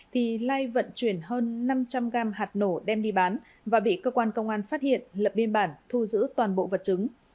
thì lai vận chuyển hơn năm trăm linh gram hạt nổ đem đi bán và bị cơ quan công an phát hiện lập biên bản thu giữ toàn bộ vật chứng